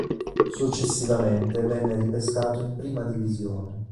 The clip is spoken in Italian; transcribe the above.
Successivamente venne ripescato in Prima Divisione.